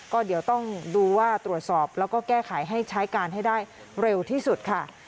ก็เดี๋ยวต้องดูว่าตรวจสอบแล้วก็แก้ไขให้ใช้การให้ได้เร็วที่สุดค่ะ